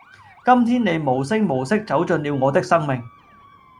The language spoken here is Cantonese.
今天你無聲無息走進了我的生命